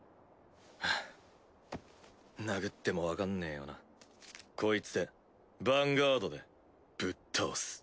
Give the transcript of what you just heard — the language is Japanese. フウ殴ってもわかんねえよなこいつでヴァンガードでぶっ倒す。